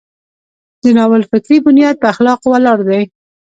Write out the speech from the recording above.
د ناول فکري بنیاد په اخلاقو ولاړ دی.